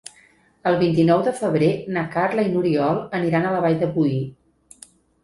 El vint-i-nou de febrer na Carla i n'Oriol aniran a la Vall de Boí.